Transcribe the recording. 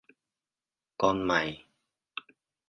Con mày